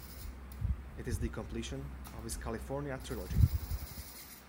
It is the completion of his California trilogy.